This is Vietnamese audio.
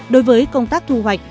đối với công tác thu hoạch